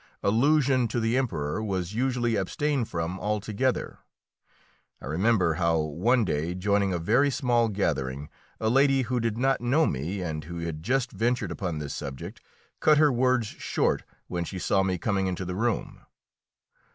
Allusion to the Emperor was usually abstained from altogether. I remember how one day, joining a very small gathering, a lady who did not know me and who had just ventured upon this subject, cut her words short when she saw me coming into the room.